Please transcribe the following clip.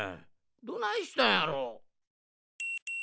どないしたんやろ？